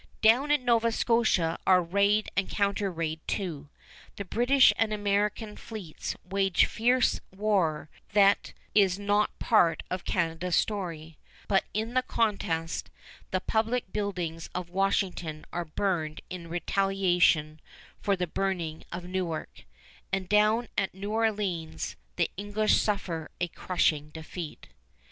Down at Nova Scotia are raid and counter raid too. The British and American fleets wage fierce war that is not part of Canada's story; but in the contest the public buildings of Washington are burned in retaliation for the burning of Newark; and down at New Orleans the English suffer a crushing defeat.